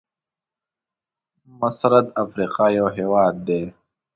مصرد افریقا یو هېواد دی.